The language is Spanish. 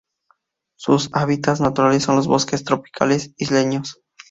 Sus hábitats naturales son los bosques tropicales isleños.